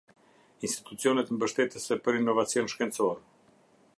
Institucionet mbështetëse për inovacion shkencor.